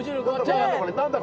何だ？